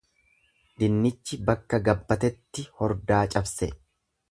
Dinnichi bakka gabbatetti hordaa cabse.